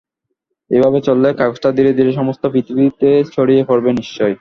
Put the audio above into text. এভাবে চললে কাগজটা ধীরে ধীরে সমস্ত পৃথিবীতে ছড়িয়ে পড়বে নিশ্চয়ই।